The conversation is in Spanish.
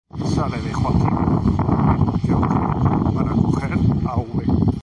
Sale de Joaquín Benlloch, para coger Av.